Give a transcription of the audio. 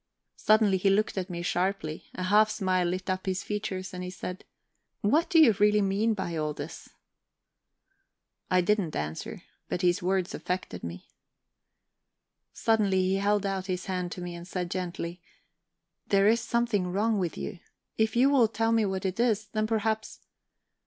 Suddenly he looked at me sharply; a half smile lit up his features, and he said: "What do you really mean by all this?" I did not answer, but his words affected me. Suddenly he held out his hand to me, and said gently: "There is something wrong with you. If you will tell me what it is, then perhaps..."